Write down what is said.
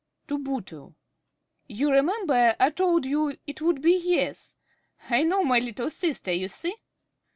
(To Bootle.) You remember I told you it would be "Yes." I know my little sister, you see.